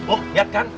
oh lihat kan